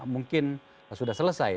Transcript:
mungkin sudah selesai